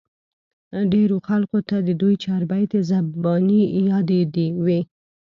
ډېرو خلقو ته د دوي چاربېتې زباني يادې وې